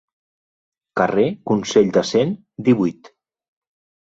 Carrer Consell de Cent, divuit.